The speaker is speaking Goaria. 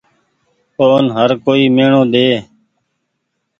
اون هر ڪوئي ميڻو ۮيئي۔